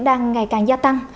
đang ngày càng gia tăng